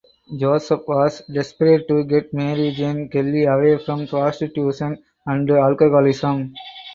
Joseph was desperate to get Mary Jane Kelly away from prostitution and alcoholism.